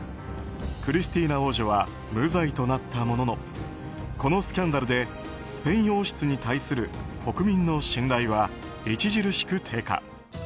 クリスティーナ王女は無罪となったもののこのスキャンダルでスペイン王室に対する国民の信頼は著しく低下。